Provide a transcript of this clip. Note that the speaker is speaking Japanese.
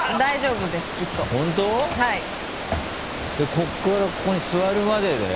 ここからここに座るまでだよ。